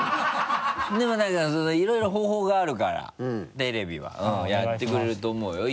でも何かいろいろ方法があるからテレビは。やってくれると思うよ？